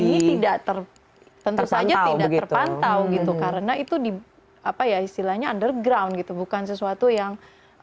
ini tidak terpantau begitu karena itu di apa ya istilahnya underground gitu bukan sesuatu yang